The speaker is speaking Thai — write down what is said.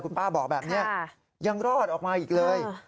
คุณป้าบอกแบบนี้ยังรอดออกมาอีกเลย